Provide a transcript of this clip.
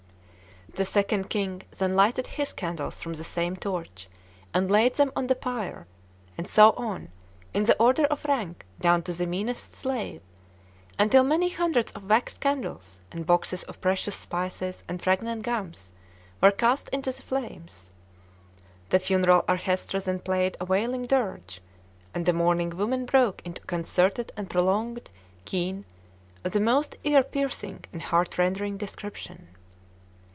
The Second King then lighted his candles from the same torch, and laid them on the pyre; and so on, in the order of rank, down to the meanest slave, until many hundreds of wax candles and boxes of precious spices and fragrant gums were cast into the flames. The funeral orchestra then played a wailing dirge, and the mourning women broke into a concerted and prolonged keen, of the most ear piercing and heart rending description.